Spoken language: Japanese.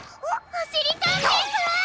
おしりたんていさん！